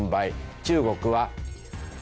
中国は。